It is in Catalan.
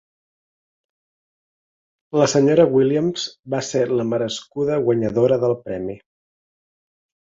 La Sra. Williams va ser la merescuda guanyadora del premi.